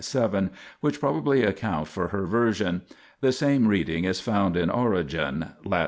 7, which probably account for her version. The same reading is found in Origen (Lat.